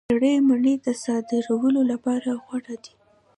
سرې مڼې د صادرولو لپاره غوره دي.